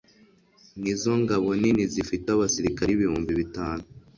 Nizo ngabo nini zifite abasirikare ibihumbi bitanu